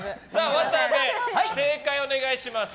渡部、正解をお願いします。